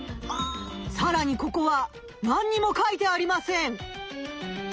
さらにここはなんにも書いてありません。